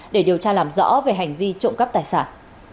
để điều tra làm rõ về hành vi trộm cắp tài sản